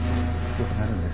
よくなるんです。